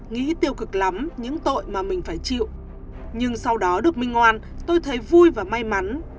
nghĩ tiêu cực lắm những tội mà mình phải chịu nhưng sau đó được minh ngoan tôi thấy vui và may mắn